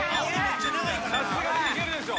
さすがにいけるでしょ。